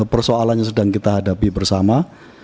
persoalan yang sedang kita hadapi bersama